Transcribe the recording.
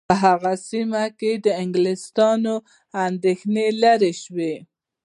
په هغه سیمه کې د انګلیسیانو اندېښنې لیرې شوې.